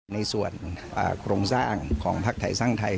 ในส่วนโครงสร้างของภักดิ์ไทยสร้างไทย